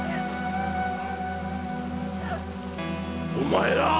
お前ら！